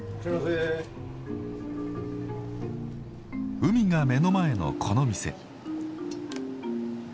海が目の前のこの店。